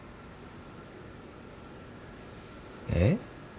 えっ？